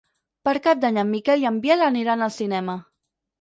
Per Cap d'Any en Miquel i en Biel aniran al cinema.